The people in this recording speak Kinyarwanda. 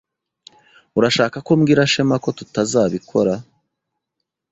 Urashaka ko mbwira Shema ko tutazabikora?